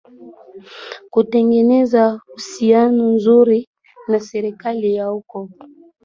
kutengeneza uhusiano nzuri na serikali ya huko